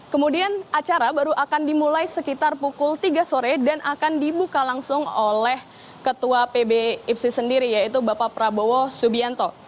kemudian acara baru akan dimulai sekitar pukul tiga sore dan akan dibuka langsung oleh ketua pb ipsi